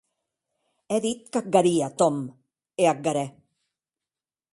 È dit qu'ac haria, Tom, e ac harè.